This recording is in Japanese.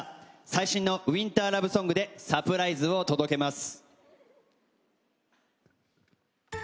最新のウインターラブソングでサプライズを届けます。